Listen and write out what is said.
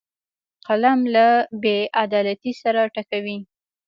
قلم له بیعدالتۍ سر ټکوي